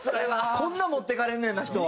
こんな持ってかれんねんな人は。